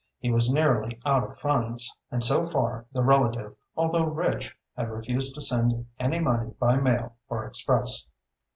He was nearly out of funds, and so far the relative, although rich, had refused to send any money by mail or express.